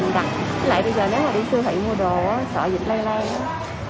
với lại bây giờ đi siêu thị mua đồ sợ dịch lây lan